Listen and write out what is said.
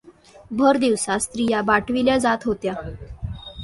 भर दिवसा स्त्रिया बाटविल्या जात होत्या.